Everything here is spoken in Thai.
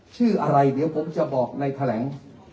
ชื่ออะไรเดี๋ยวผมจะบอกในแถลง